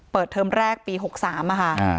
เปิดเทิมแรกปี๖๓นะคะ